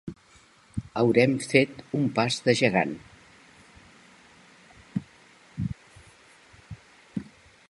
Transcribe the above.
Haurem fet un pas de gegant.